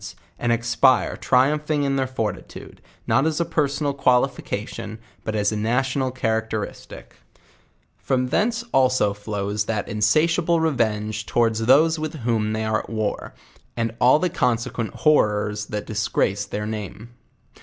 and expire triumphing in their fortitude, not ..as a personal qualification, but as a nation al characteristic, i ' LEWIS JVND OJBN1RKE. 107 From thence also flov:s that insatiable revenge towards those with whom they are at war, and all the consequent hor rors that disgrace their name.